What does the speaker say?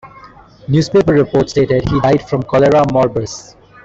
Newspaper reports stated he died from cholera morbus.